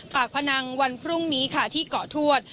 พนังวันพรุ่งนี้ค่ะที่เกาะทวด